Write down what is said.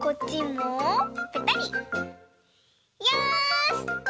よし！